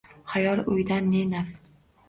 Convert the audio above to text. Xayol, o’ydan ne naf